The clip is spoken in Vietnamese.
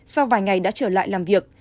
sau vài ngày đã trở lại làm việc